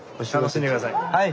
はい！